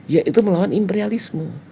yaitu melawan imperialisme